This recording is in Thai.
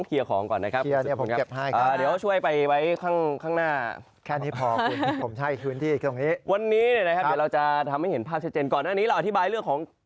เดี๋ยวคุณผู้ชมไม่เชื่อ